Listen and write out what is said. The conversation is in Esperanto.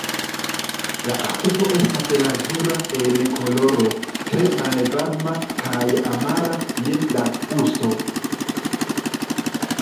La akvo estas lazura en koloro, tre malvarma kaj amara je la gusto.